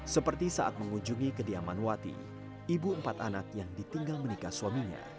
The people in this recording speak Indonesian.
seperti saat mengunjungi kediaman wati ibu empat anak yang ditinggal menikah suaminya